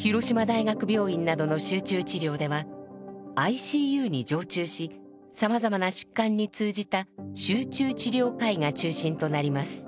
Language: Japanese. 広島大学病院などの集中治療ではＩＣＵに常駐しさまざまな疾患に通じた集中治療科医が中心となります。